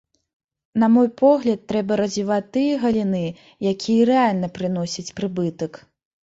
На мой погляд трэба развіваць тыя галіны, якія рэальна прыносяць прыбытак.